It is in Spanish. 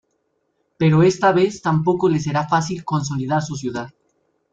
Pero esta vez tampoco le será fácil consolidar su ciudad.